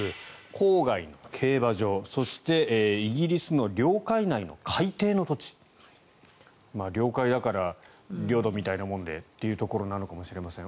郊外の競馬場イギリスの領海内の海底の土地領海だから領土みたいなものでっていうところなのかもしれません。